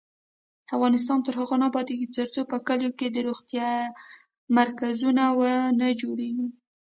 افغانستان تر هغو نه ابادیږي، ترڅو په کلیو کې د روغتیا مرکزونه ونه جوړیږي.